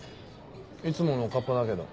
いつものおかっぱだけど。